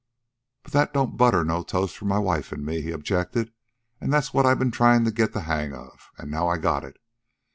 "But that don't butter no toast for my wife an' me," he objected. "An' that's what I've been tryin' to get the hang of, an' now I got it.